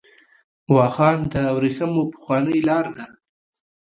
واخان د ورېښمو پخوانۍ لار ده .